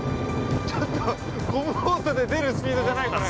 ちょっと、ゴムボートで出るスピードじゃない、これ。